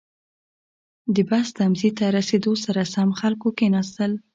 • د بس تمځي ته رسېدو سره سم، خلکو کښېناستل.